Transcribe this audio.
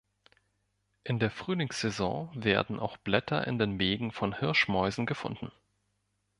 In der Frühlingssaison werden auch Blätter in den Mägen von Hirschmäusen gefunden.